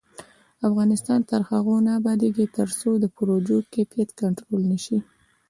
افغانستان تر هغو نه ابادیږي، ترڅو د پروژو کیفیت کنټرول نشي.